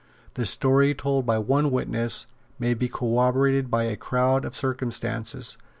The story told by one witness may be corroborated by a crowd of circumstances.